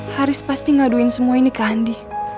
haris pasti ngaduin semua ini ke andi